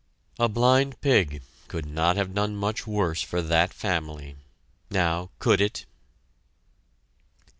A blind pig could not have done much worse for that family! Now, could it?